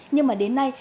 nhưng mà đến nay